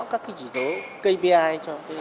các cái chỉ số kpi